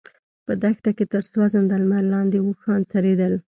په دښته کې تر سوځنده لمر لاندې اوښان څرېدل.